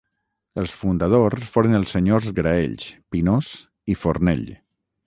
Els fundadors foren els senyors Graells, Pinós i Fornell.